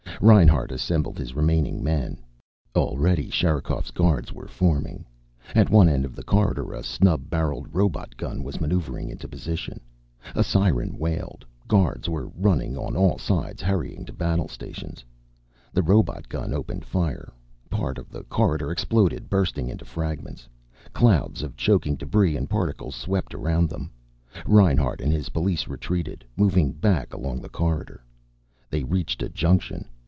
Reinhart assembled his remaining men. Already, Sherikov's guards were forming. At one end of the corridor a snub barreled robot gun was maneuvering into position. A siren wailed. Guards were running on all sides, hurrying to battle stations. The robot gun opened fire. Part of the corridor exploded, bursting into fragments. Clouds of choking debris and particles swept around them. Reinhart and his police retreated, moving back along the corridor. They reached a junction.